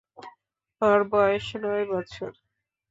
ওর বয়স নয় বছর।